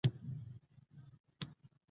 په طاعت کښېنه، عبادت مه پرېږده.